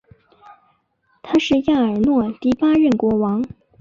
他是亚尔诺第八任国王。